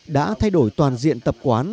đã thay đổi toàn diện tập quán